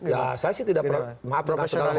ya saya sih tidak percaya